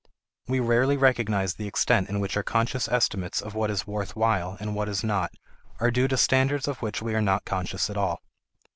We rarely recognize the extent in which our conscious estimates of what is worth while and what is not, are due to standards of which we are not conscious at all.